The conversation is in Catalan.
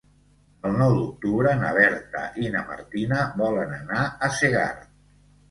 El nou d'octubre na Berta i na Martina volen anar a Segart.